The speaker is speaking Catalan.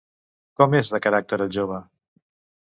Com és de caràcter el jove?